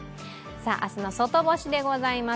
明日の外干しでございます。